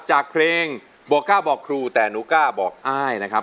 จากเพลงบอกกล้าบอกครูแต่หนูกล้าบอกอ้ายนะครับ